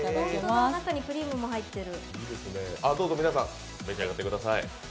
ホントだ、中にクリームも入ってる。